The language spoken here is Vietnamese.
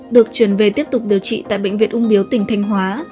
được chuyển về tiếp tục điều trị tại bệnh viện ung biếu tỉnh thanh hóa